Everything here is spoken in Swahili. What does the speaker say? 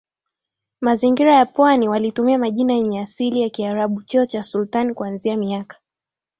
mazingira ya Pwani walitumia majina yenye asili ya Kiarabu cheo cha Sultan kuanzia miaka